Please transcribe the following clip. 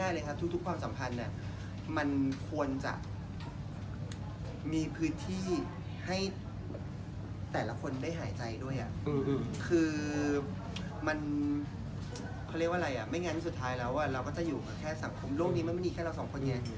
หมายแต่ทุกสัมพันธ์มันควรจะมีพืชให้แต่ละคนได้หายใจไม่งั้นเราก็จะอยู่แค่เราสองคน